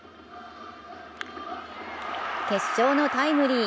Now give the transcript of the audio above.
決勝のタイムリー。